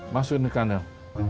masukin ke kanan